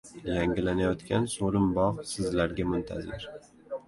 Yangilanayotgan so'lim bog' Sizlarga muntazir!